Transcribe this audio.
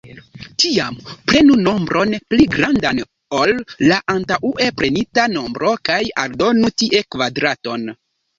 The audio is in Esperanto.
Tiam, prenu nombron pli grandan ol la antaŭe prenita nombro, kaj aldonu tie kvadraton.